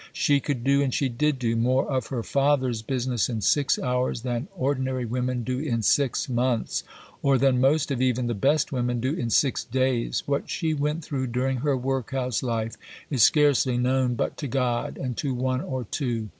She could do, and she did do, more of her Father's business in six hours than ordinary women do in six months, or than most of even the best women do in six days.... What she went through during her workhouse life is scarcely known but to God and to one or two.